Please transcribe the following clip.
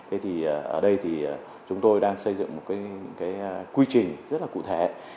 ở đây thì chúng tôi đang xây dựng một quy trình rất là cụ thể